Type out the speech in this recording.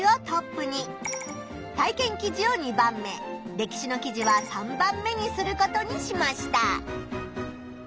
歴史の記事は３番目にすることにしました。